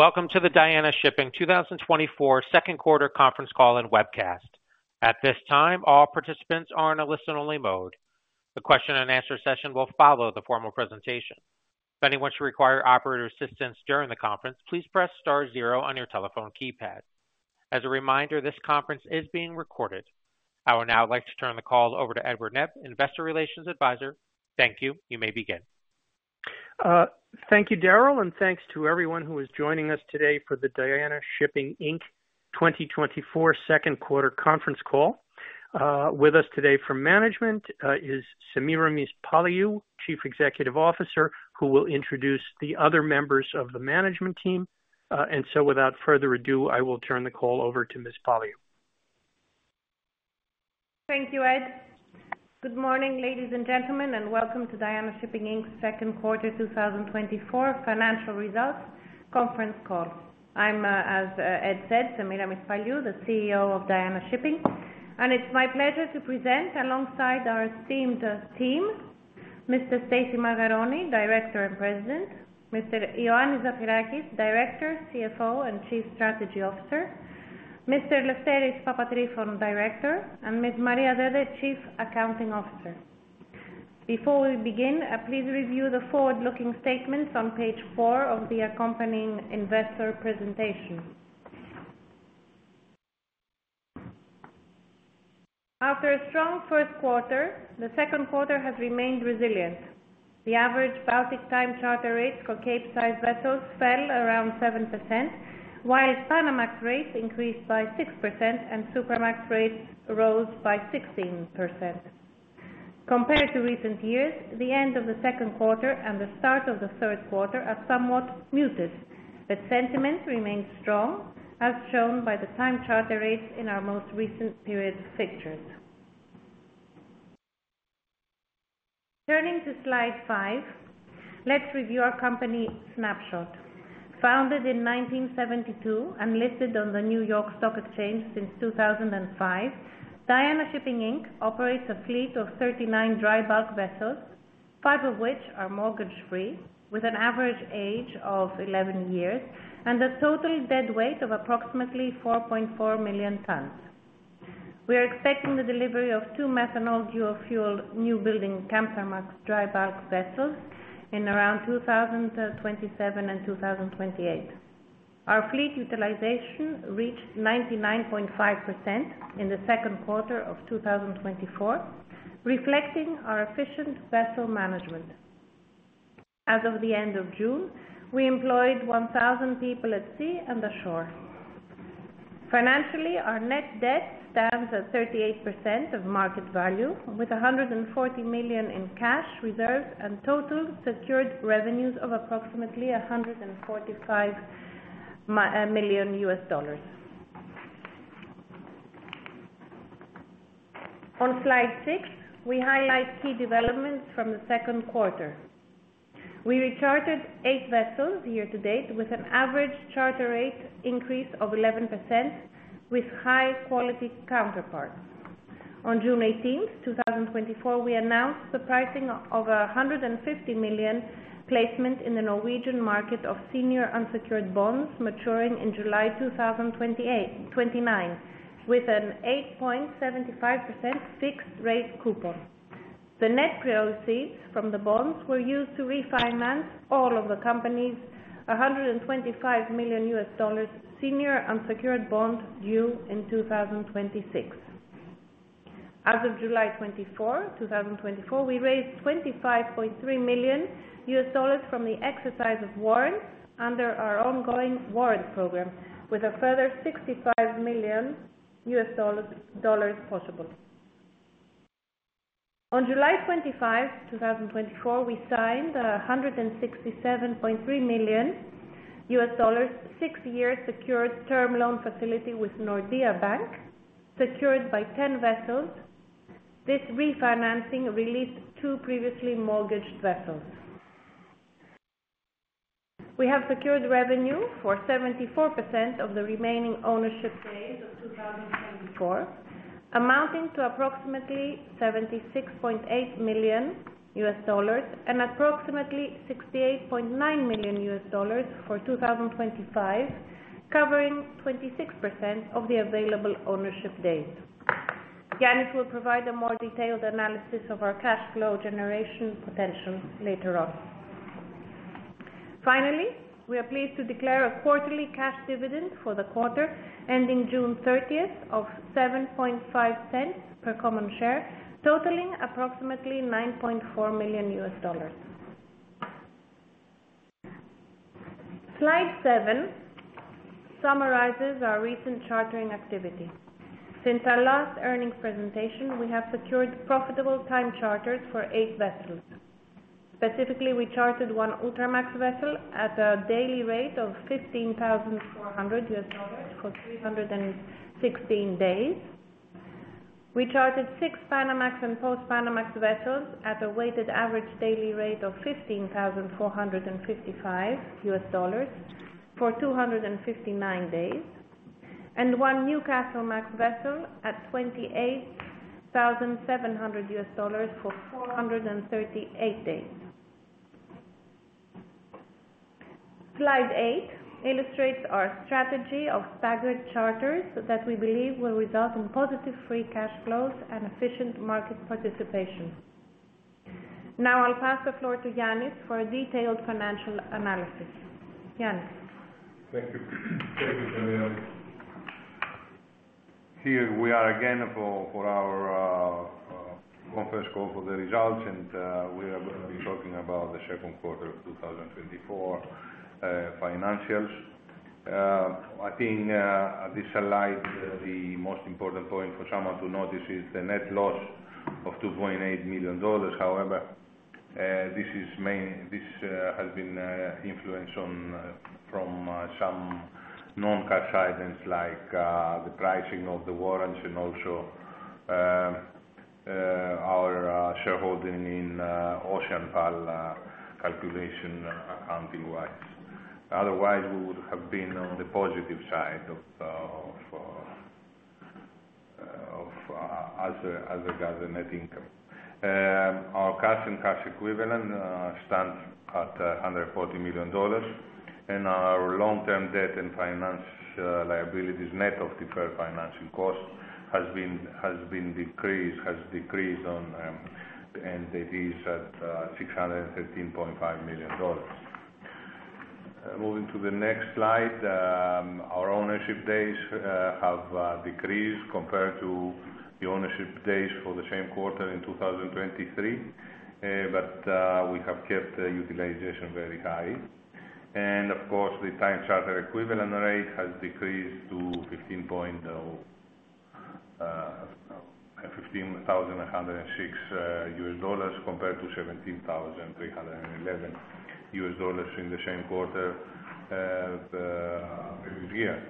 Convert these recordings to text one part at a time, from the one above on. Welcome to the Diana Shipping 2024 second quarter conference call and webcast. At this time, all participants are in a listen-only mode. The question and answer session will follow the formal presentation. If anyone should require operator assistance during the conference, please press star zero on your telephone keypad. As a reminder, this conference is being recorded. I would now like to turn the call over to Edward Nebb, Investor Relations Advisor. Thank you. You may begin. Thank you, Daryl, and thanks to everyone who is joining us today for the Diana Shipping Inc. 2024 second quarter conference call. With us today from management is Semiramis Paliou, Chief Executive Officer, who will introduce the other members of the management team. And so without further ado, I will turn the call over to Ms. Paliou. Thank you, Ed. Good morning, ladies and gentlemen, and welcome to Diana Shipping Inc.'s second quarter 2024 financial results conference call. I'm, as Ed said, Semiramis Paliou, the CEO of Diana Shipping, and it's my pleasure to present alongside our esteemed team, Mr. Stacy Margaronis, Director and President, Mr. Ioannis Zafirakis, Director, CFO, and Chief Strategy Officer, Mr. Eleftherios Papatrifon, Director, and Ms. Maria Dede, Chief Accounting Officer. Before we begin, please review the forward-looking statements on page four of the accompanying investor presentation. After a strong first quarter, the second quarter has remained resilient. The average Baltic time charter rates for Capesize vessels fell around 7%, while Panamax rates increased by 6% and Supramax rates rose by 16%. Compared to recent years, the end of the second quarter and the start of the third quarter are somewhat muted, but sentiment remains strong, as shown by the time charter rates in our most recent period fixtures. Turning to slide five, let's review our company snapshot. Founded in 1972 and listed on the New York Stock Exchange since 2005, Diana Shipping Inc. operates a fleet of 39 dry bulk vessels, five of which are mortgage-free, with an average age of 11 years and a total deadweight of approximately 4.4 million tons. We are expecting the delivery of two methanol dual-fueled newbuilding Kamsarmax dry bulk vessels in around 2027 and 2028. Our fleet utilization reached 99.5% in the second quarter of 2024, reflecting our efficient vessel management. As of the end of June, we employed 1,000 people at sea and the shore. Financially, our net debt stands at 38% of market value, with $140 million in cash reserves and total secured revenues of approximately $145 million. On slide six, we highlight key developments from the second quarter. We rechartered eight vessels year-to-date, with an average charter rate increase of 11%, with high-quality counterparts. On June 18, 2024, we announced the pricing of $150 million placement in the Norwegian market of senior unsecured bonds maturing in July 2028-2029, with an 8.75% fixed rate coupon. The net proceeds from the bonds were used to refinance all of the company's $125 million U.S. dollars senior unsecured bond due in 2026. As of July 24, 2024, we raised $25.3 million from the exercise of warrants under our ongoing warrant program, with a further $65 million possible. On July 25, 2024, we signed a $167.3 million, six-year secured term loan facility with Nordea Bank, secured by 10 vessels. This refinancing released 2 previously mortgaged vessels. We have secured revenue for 74% of the remaining ownership days of 2024, amounting to approximately $76.8 million and approximately $68.9 million for 2025, covering 26% of the available ownership days. Ioannis will provide a more detailed analysis of our cash flow generation potential later on. Finally, we are pleased to declare a quarterly cash dividend for the quarter ending June 30th of $7.50 per common share, totaling approximately $9.4 million. Slide seven summarizes our recent chartering activity. Since our last earnings presentation, we have secured profitable time charters for eight vessels. Specifically, we chartered one Ultramax vessel at a daily rate of $15,400 for 316 days. We chartered six Panamax and Post-Panamax vessels at a weighted average daily rate of $15,455 for 259 days and one Newcastlemax vessel at $28,700 for 438 days. Slide eight illustrates our strategy of staggered charters that we believe will result in positive free cash flows and efficient market participation. Now I'll pass the floor to Ioannis for a detailed financial analysis. Ioannis? Thank you. Thank you, Semiramis. Here we are again for our conference call for the results, and we are going to be talking about the second quarter of 2024 financials. I think this slide, the most important point for someone to notice is the net loss of $2.8 million. However, this has been influenced on, from some non-cash items like the pricing of the warrants and also our shareholding in OceanPal calculation accounting wise. Otherwise, we would have been on the positive side as regards the net income. Our cash and cash equivalent stands at under $40 million, and our long-term debt and financial liabilities, net of deferred financing costs, has decreased, and it is at $613.5 million. Moving to the next slide, our ownership days have decreased compared to the ownership days for the same quarter in 2023. But we have kept the utilization very high. Of course, the time charter equivalent rate has decreased to $15,106, compared to $17,311 in the same quarter of the previous year.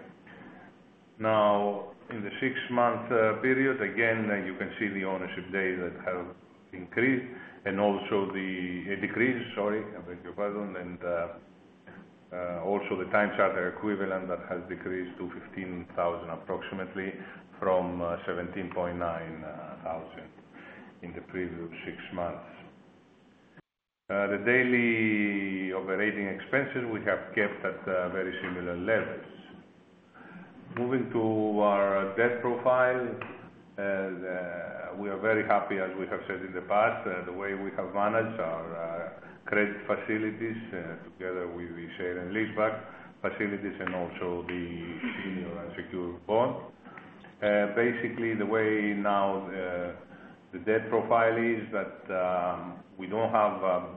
Now, in the six-month period, again, you can see the ownership days that have increased and also decreased, sorry, I beg your pardon, and also the time charter equivalent that has decreased to approximately $15,000 from $17,900 in the previous six months. The daily operating expenses we have kept at very similar levels. Moving to our debt profile. We are very happy, as we have said in the past, the way we have managed our credit facilities together with the sale and leaseback facilities and also the senior unsecured bond. Basically, the way now the debt profile is that,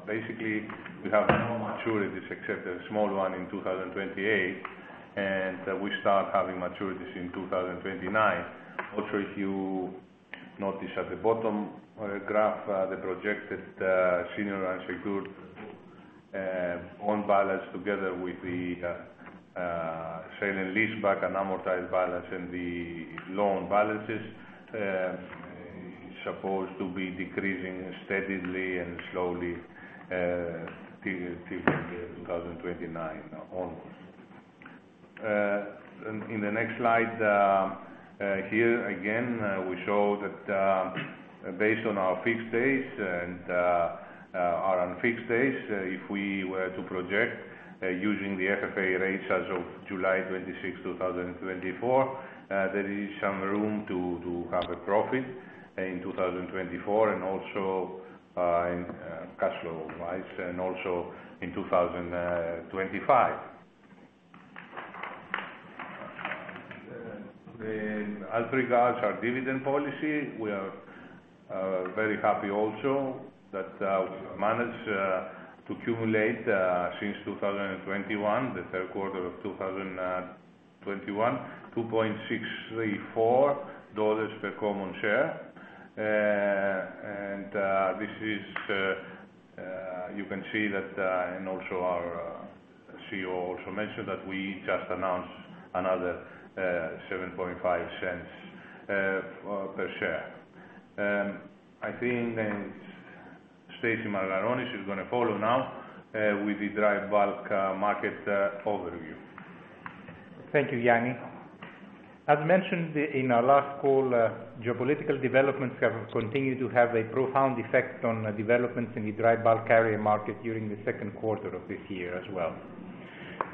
basically, we have no maturities except a small one in 2028, and we start having maturities in 2029. Also, if you notice at the bottom, graph, the projected senior unsecured bond balance together with the, sale and leaseback and amortized balance and the loan balances, is supposed to be decreasing steadily and slowly, till 2029 onwards. In the next slide, here again, we show that, based on our fixed days and our unfixed days, if we were to project, using the FFA rates as of July 26, 2024, there is some room to have a profit in 2024, and also, in cash flow wise, and also in 2025. As regards our dividend policy, we are very happy also that we managed to accumulate since 2021, the third quarter of 2021, $2.634 per common share. This is you can see that, and also our CEO also mentioned that we just announced another $7.50 per share. I think then Stacy Margaronis is going to follow now with the dry bulk market overview. Thank you, Ioannis. As mentioned in our last call, geopolitical developments have continued to have a profound effect on the developments in the dry bulk carrier market during the second quarter of this year as well.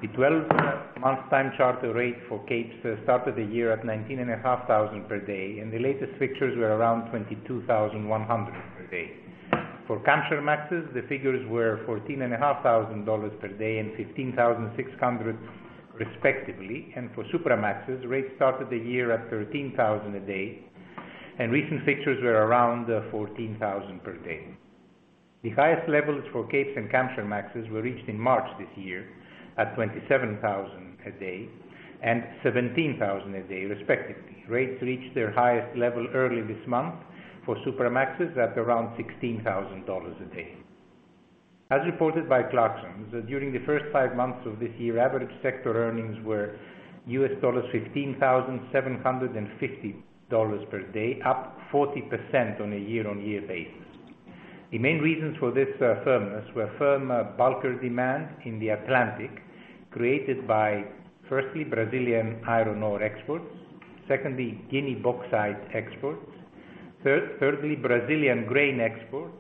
The twelve-month time charter rate for Capes started the year at $19,500 per day, and the latest fixtures were around $22,100 per day. For Kamsarmaxes, the figures were $14,500 per day, and $15,600 respectively, and for Supramaxes, rates started the year at $13,000 a day, and recent fixtures were around $14,000 per day. The highest levels for Capes and Kamsarmaxes were reached in March this year at $27,000 a day and $17,000 a day, respectively. Rates reached their highest level early this month for Supramaxes at around $16,000 a day. As reported by Clarksons, during the first five months of this year, average sector earnings were $15,750 per day, up 40% on a year-on-year basis. The main reasons for this firmness were firm bulker demand in the Atlantic, created by, firstly, Brazilian iron ore exports. Secondly, Guinea bauxite exports. Thirdly, Brazilian grain exports.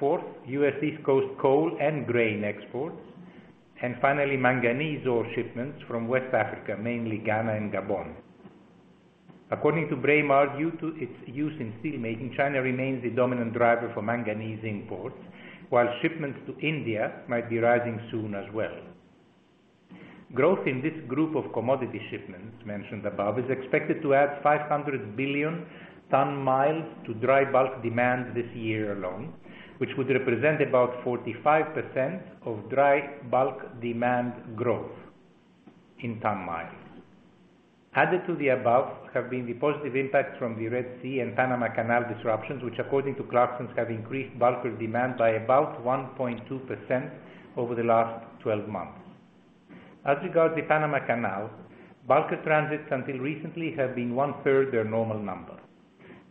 Fourth, US East Coast coal and grain exports, and finally, manganese ore shipments from West Africa, mainly Ghana and Gabon. According to Braemar, due to its use in steel making, China remains the dominant driver for manganese imports, while shipments to India might be rising soon as well. Growth in this group of commodity shipments mentioned above is expected to add 500 billion ton miles to dry bulk demand this year alone, which would represent about 45% of dry bulk demand growth in ton miles. Added to the above have been the positive impact from the Red Sea and Panama Canal disruptions, which according to Clarksons have increased bulker demand by about 1.2% over the last twelve months. As regards the Panama Canal, bulker transits until recently have been one-third their normal number.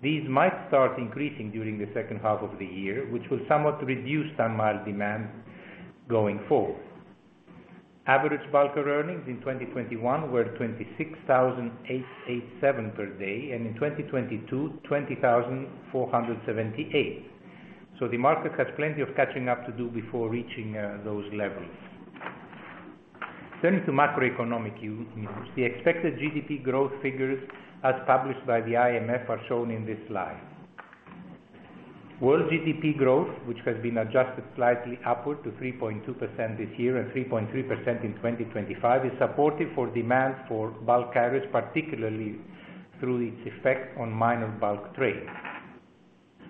These might start increasing during the second half of the year, which will somewhat reduce ton mile demand going forward. Average bulker earnings in 2021 were $26,887 per day, and in 2022, $20,478. So the market has plenty of catching up to do before reaching those levels. Turning to macroeconomic news, the expected GDP growth figures, as published by the IMF, are shown in this slide. World GDP growth, which has been adjusted slightly upward to 3.2% this year and 3.3% in 2025, is supportive for demand for bulk carriers, particularly through its effect on mine and bulk trade.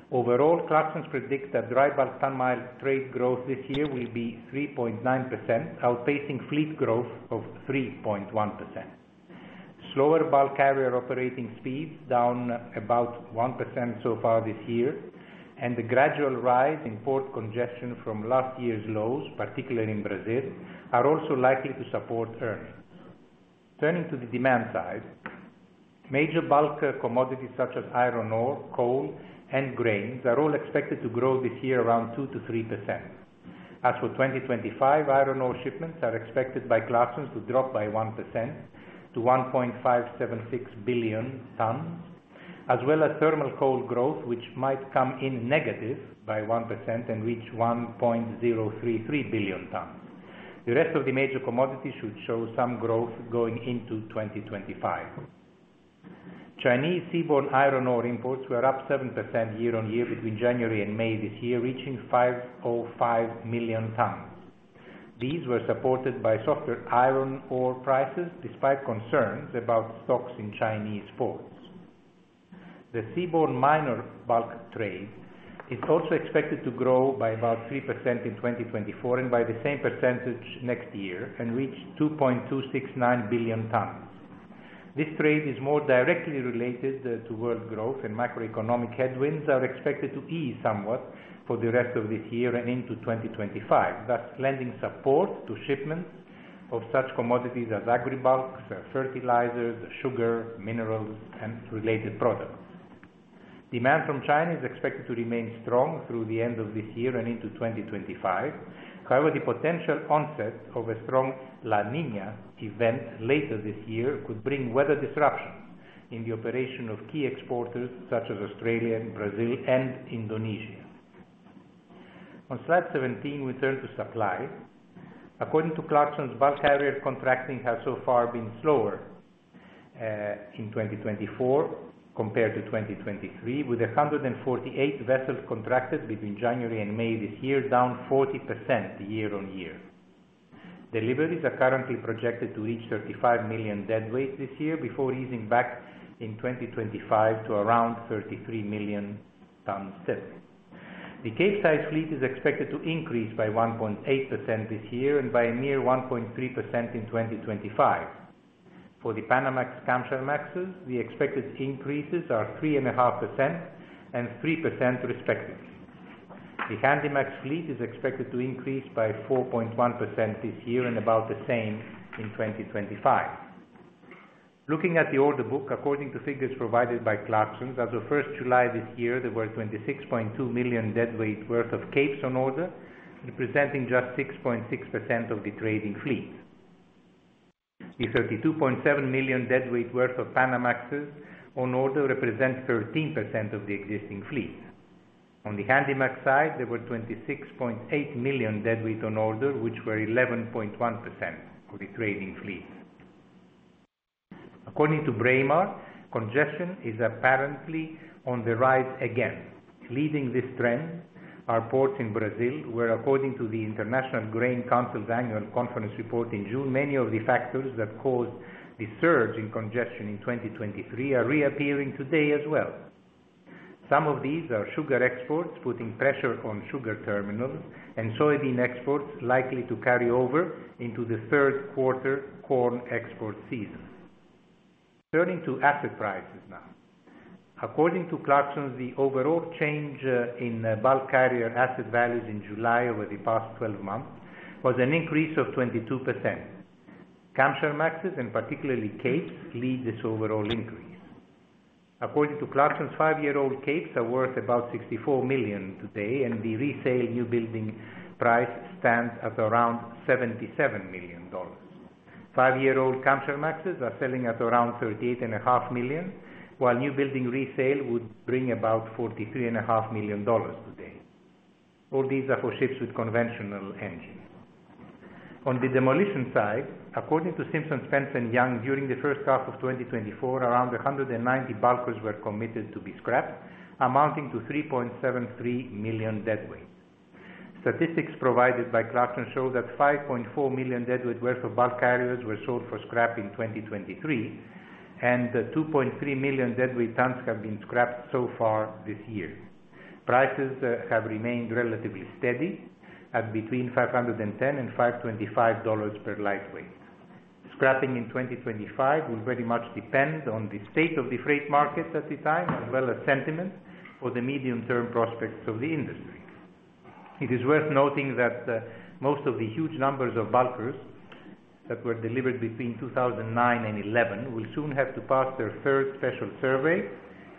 Overall, Clarksons predicts that dry bulk ton mile trade growth this year will be 3.9%, outpacing fleet growth of 3.1%. Slower bulk carrier operating speeds down about 1% so far this year, and the gradual rise in port congestion from last year's lows, particularly in Brazil, are also likely to support earns. Turning to the demand side, major bulker commodities such as iron ore, coal, and grains, are all expected to grow this year around 2%-3%. As for 2025, iron ore shipments are expected by Clarksons to drop by 1% to 1.576 billion tons, as well as thermal coal growth, which might come in negative by 1% and reach 1.033 billion tons. The rest of the major commodities should show some growth going into 2025. Chinese seaborne iron ore imports were up 7% year-on-year between January and May this year, reaching 505 million tons. These were supported by softer iron ore prices, despite concerns about stocks in Chinese ports. The seaborne minor bulk trade is also expected to grow by about 3% in 2024, and by the same percentage next year, and reach 2.269 billion tons. This trade is more directly related to world growth, and macroeconomic headwinds are expected to ease somewhat for the rest of this year and into 2025, thus lending support to shipments of such commodities as agribulks, fertilizers, sugar, minerals, and related products. Demand from China is expected to remain strong through the end of this year and into 2025. However, the potential onset of a strong La Niña event later this year could bring weather disruptions in the operation of key exporters such as Australia and Brazil and Indonesia. On slide 17, we turn to supply. According to Clarksons, bulk carrier contracting has so far been slower in 2024 compared to 2023, with 148 vessels contracted between January and May this year, down 40% year-on-year. Deliveries are currently projected to reach 35 million deadweight tons this year before easing back in 2025 to around 33 million deadweight tons. The Capesize fleet is expected to increase by 1.8% this year and by a mere 1.3% in 2025. For the Panamax/Kamsarmaxes, the expected increases are 3.5% and 3% respectively. The Handymax fleet is expected to increase by 4.1% this year and about the same in 2025. Looking at the order book, according to figures provided by Clarksons, as of July 1 this year, there were 26.2 million deadweight tons worth of Capes on order, representing just 6.6% of the trading fleet. The 32.7 million deadweight tons worth of Panamax on order represents 13% of the existing fleet. On the Handymax side, there were 26.8 million deadweight on order, which were 11.1% of the trading fleet. According to Braemar, congestion is apparently on the rise again. Leading this trend are ports in Brazil, where according to the International Grains Council's annual conference report in June, many of the factors that caused the surge in congestion in 2023 are reappearing today as well. Some of these are sugar exports, putting pressure on sugar terminals and soybean exports likely to carry over into the third quarter corn export season. Turning to asset prices now. According to Clarksons, the overall change in bulk carrier asset values in July over the past 12 months was an increase of 22%. Kamsarmaxes, and particularly Capes, lead this overall increase. According to Clarksons, five-year-old Capes are worth about $64 million today, and the resale new building price stands at around $77 million. Five-year-old Kamsarmaxes are selling at around $38.5 million, while new building resale would bring about $43.5 million today. All these are for ships with conventional engines. On the demolition side, according to Simpson Spence Young, during the first half of 2024, around 190 bulkers were committed to be scrapped, amounting to 3.73 million deadweight. Statistics provided by Clarksons show that 5.4 million deadweight worth of bulk carriers were sold for scrap in 2023, and 2.3 million deadweight tons have been scrapped so far this year. Prices have remained relatively steady at between $500 and $525 per light weight. Scrapping in 2025 will very much depend on the state of the freight market at the time, as well as sentiment for the medium-term prospects of the industry. It is worth noting that most of the huge numbers of bulkers that were delivered between 2009 and 2011 will soon have to pass their third special survey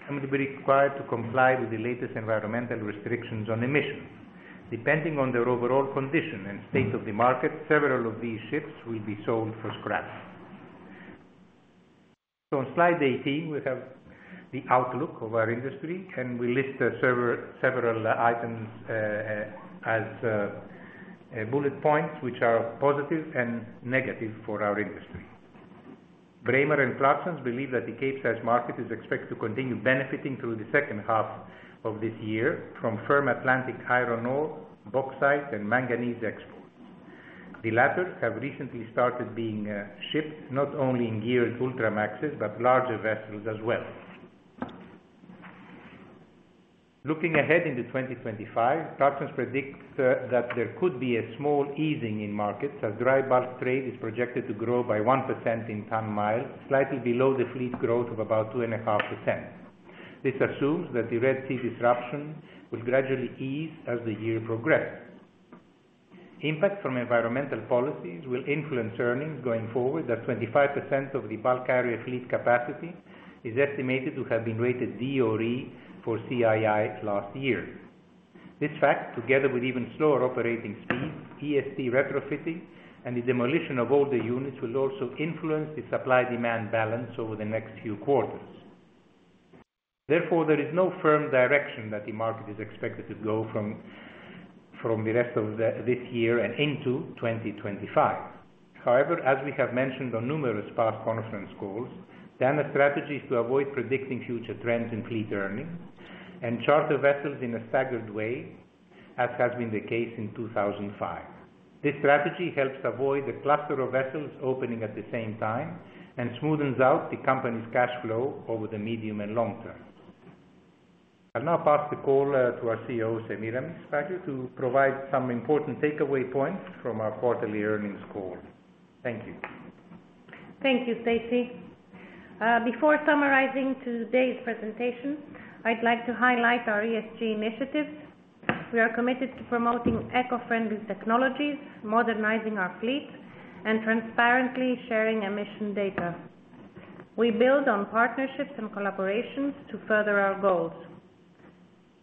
and will be required to comply with the latest environmental restrictions on emissions. Depending on their overall condition and state of the market, several of these ships will be sold for scrap. On slide 18, we have the outlook of our industry, and we list several, several items as bullet points, which are positive and negative for our industry. Braemar and Clarksons believe that the Capesize market is expected to continue benefiting through the second half of this year from firm Atlantic iron ore, bauxite, and manganese exports. The latter have recently started being shipped not only in gearless Ultramaxes, but larger vessels as well. Looking ahead into 2025, Clarksons predicts that there could be a small easing in markets as dry bulk trade is projected to grow by 1% in ton-miles, slightly below the fleet growth of about 2.5%. This assumes that the Red Sea disruption will gradually ease as the year progresses. Impact from environmental policies will influence earnings going forward. That 25% of the bulk carrier fleet capacity is estimated to have been rated D or E for CII last year. This fact, together with even slower operating speeds, ESG retrofitting, and the demolition of older units, will also influence the supply-demand balance over the next few quarters. Therefore, there is no firm direction that the market is expected to go from the rest of this year and into 2025. However, as we have mentioned on numerous past conference calls, then the strategy is to avoid predicting future trends in fleet earnings and charter vessels in a staggered way, as has been the case in 2005. This strategy helps avoid a cluster of vessels opening at the same time and smoothens out the company's cash flow over the medium and long term. I'll now pass the call to our CEO, Semiramis Paliou, to provide some important takeaway points from our quarterly earnings call. Thank you. Thank you, Stacy. Before summarizing today's presentation, I'd like to highlight our ESG initiatives. We are committed to promoting eco-friendly technologies, modernizing our fleet, and transparently sharing emission data. We build on partnerships and collaborations to further our goals.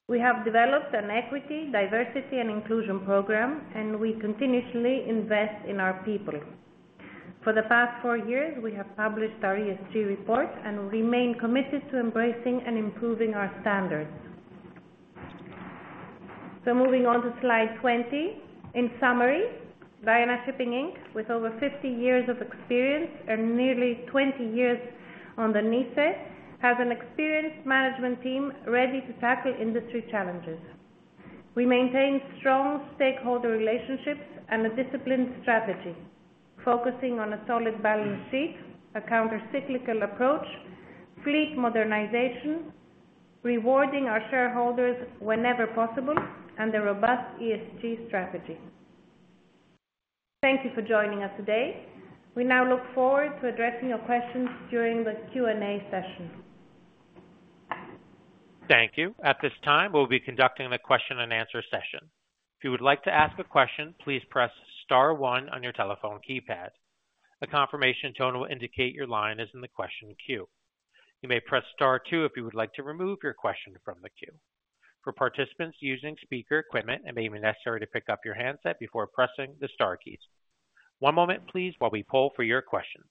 We have developed an equity, diversity, and inclusion program, and we continuously invest in our people. For the past four years, we have published our ESG report and remain committed to embracing and improving our standards. Moving on to slide 20. In summary, Diana Shipping Inc., with over 50 years of experience and nearly 20 years on the NYSE, has an experienced management team ready to tackle industry challenges. We maintain strong stakeholder relationships and a disciplined strategy, focusing on a solid balance sheet, a countercyclical approach, fleet modernization, rewarding our shareholders whenever possible, and a robust ESG strategy. Thank you for joining us today. We now look forward to addressing your questions during the Q&A session. Thank you. At this time, we'll be conducting a question and answer session. If you would like to ask a question, please press star one on your telephone keypad. A confirmation tone will indicate your line is in the question queue. You may press star two if you would like to remove your question from the queue. For participants using speaker equipment, it may be necessary to pick up your handset before pressing the star keys. One moment, please, while we poll for your questions.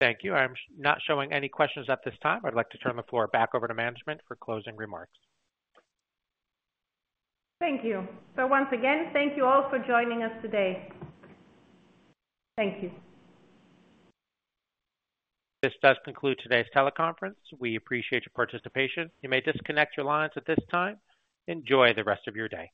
Thank you. I'm not showing any questions at this time. I'd like to turn the floor back over to management for closing remarks. Thank you. Once again, thank you all for joining us today. Thank you. This does conclude today's teleconference. We appreciate your participation. You may disconnect your lines at this time. Enjoy the rest of your day.